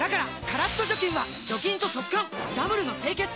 カラッと除菌は除菌と速乾ダブルの清潔！